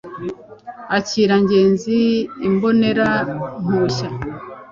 akira ngenzi imbonera mpumbya